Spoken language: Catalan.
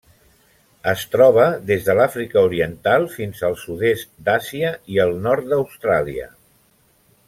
Es troba des de l'Àfrica Oriental fins al sud-est d'Àsia i el nord d'Austràlia.